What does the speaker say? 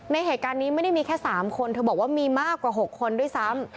ในเหตุการณ์นี้ไม่ได้มีแค่๓คนเธอบอกว่ามีมากกว่า๖คนด้วยซ้ำ